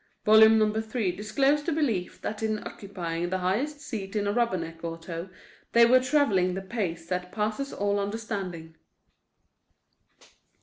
Volume No. 3 disclosed the belief that in occupying the highest seat in a Rubberneck auto they were travelling the pace that passes all understanding.